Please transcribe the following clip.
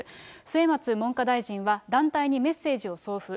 末松文科大臣は団体にメッセージを送付。